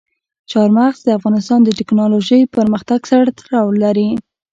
چار مغز د افغانستان د تکنالوژۍ پرمختګ سره تړاو لري.